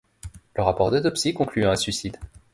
Le rapport d'autopsie conclut à un suicide.